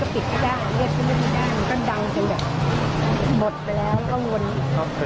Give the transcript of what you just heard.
ปิดก็ปิดก็ได้เรียกก็ไม่ได้